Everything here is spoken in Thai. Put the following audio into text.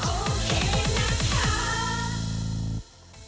โอเคนะคะ